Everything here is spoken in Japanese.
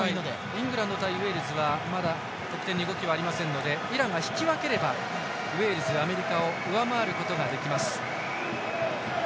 イングランド対ウェールズはまだ得点に動きはありませんのでイランが引き分ければウェールズ、アメリカを上回ることができます。